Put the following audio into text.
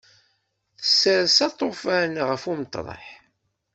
Tsers aṭufan ɣef umeṭreḥ.